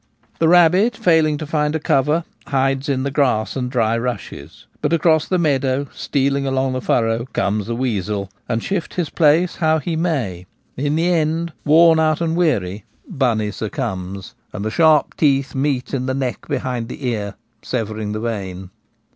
The rabbit, failing to find a cover, hides in the grass and dry rushes ; but across the meadow, stealing along the furrow, comes the weasel ; and, shift his place how he may, in the end, worn out and weary, bunny succumbs, and the sharp teeth meet in the neck behind the ear, severing the vein.